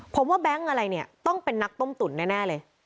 ผมว่าแบงค์อะไรเนี่ยต้องเป็นนักต้มตุ๋นแน่เลย